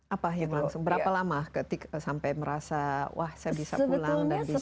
apahir langsung berapa lama ketika sampai merasa wah saya bisa pulang dan bisa